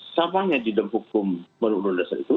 samanya di dalam hukum peneludaran dasar itu